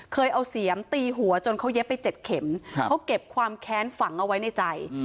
เคยเอาเสียมตีหัวจนเขาเย็บไป๗เข็มเขาเก็บความแค้นฝังเอาไว้ในใจ